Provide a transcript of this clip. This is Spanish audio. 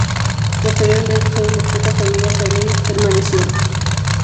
Posteriormente, sólo unas pocas familias armenias permanecieron.